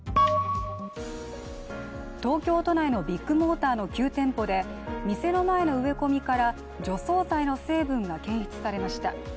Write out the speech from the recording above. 東京都内のビッグモーターの９店舗で店の前の植え込みから除草剤の成分が検出されました。